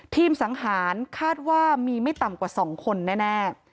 สังหารคาดว่ามีไม่ต่ำกว่า๒คนแน่